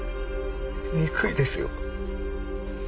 憎いですよ。